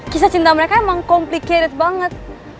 kisah cinta mereka emang complicated banget